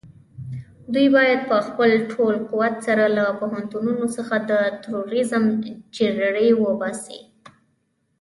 دوی بايد په خپل ټول قوت سره له پوهنتونونو څخه د تروريزم جرړې وباسي.